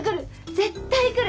絶対来る。